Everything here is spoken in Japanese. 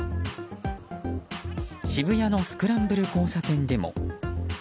渋谷のスクランブル交差点でも。